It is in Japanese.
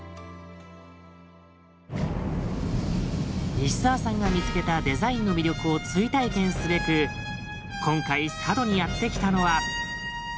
西沢さんが見つけたデザインの魅力を追体験すべく今回佐渡にやって来たのは。